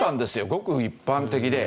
ごく一般的で。